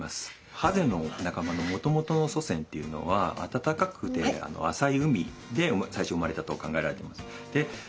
ハゼの仲間のもともとの祖先っていうのはあたたかくて浅い海で最初生まれたと考えられています。